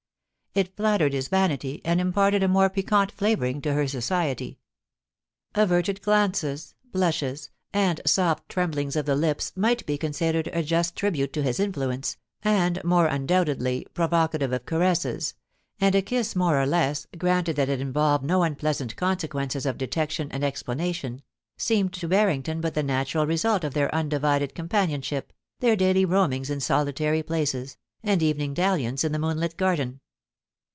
It flattered his vanity, and imparted a more piquant flavouring to her society. Averted glances. 2IO POLICY AND PASSION, blushes, and soft tremblings of the lips might be considered a just tribute to his influence, and more undoubtedly pro vocative of caresses ; and a kiss more or less, granted that it involved no unpleasant consequences of detection and ex planation, seemed to Harrington but the naturaV result of their undivided companionship, their daily roamings in solitary places, and evening dalliance in the moonlit garden.